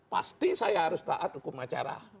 pasti saya harus taat hukum acara